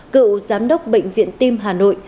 cựu giám đốc bệnh viện tim hà nội